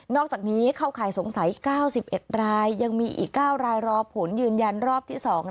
อกจากนี้เข้าข่ายสงสัย๙๑รายยังมีอีก๙รายรอผลยืนยันรอบที่๒